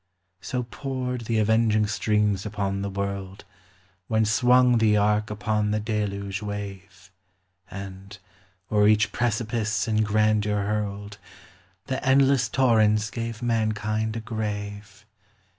So poured the avenging streams upon the world When swung the ark upon the deluge wave, And, o'er each precipice in grandeur hurled, The endless torrents gave mankind a grave.